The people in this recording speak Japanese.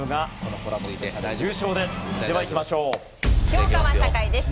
教科は社会です。